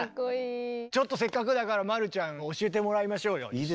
ちょっとせっかくだから丸ちゃん教えてもらいましょうよ一緒に。